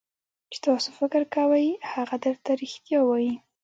چې تاسو فکر کوئ هغه درته رښتیا وایي.